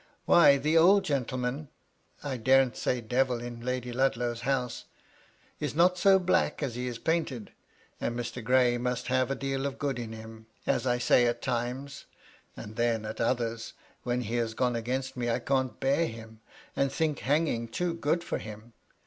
Why the old gentleman (I daren't say Devil in Lady Ludlow's house) is not so black as he is painted ; and Mr. Gray must have a deal of good in him, as I say at times ; and then at 248 MY LADY LUDLOW. others, when he has gone against me, I can't bear him, and think hanguig too good for him.